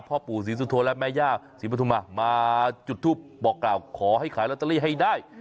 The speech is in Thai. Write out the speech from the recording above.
พ่อปู่ศรีสุโธและแม่ย่าศรีปฐุมามาจุดทูปบอกกล่าวขอให้ขายลอตเตอรี่ให้ได้